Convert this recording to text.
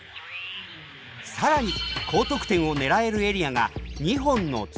さらに高得点を狙えるエリアが２本の筒。